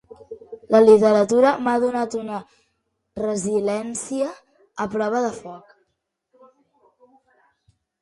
La literatura m’ha donat una resiliència a prova de foc.